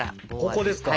ここですか？